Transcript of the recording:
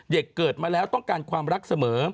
เกิดมาแล้วต้องการความรักเสมอ